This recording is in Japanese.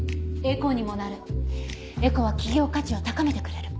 エコにもなるエコは企業価値を高めてくれる。